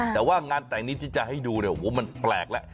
แต่ว่างานแต่งนี้ที่จะให้ดูเนี่ยโอ้โหมันแปลกแล้ว